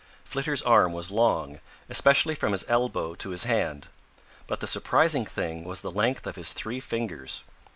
Flitter's arm was long, especially from his elbow to his hand. But the surprising thing was the length of his three fingers.